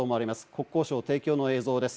国交省提供の映像です。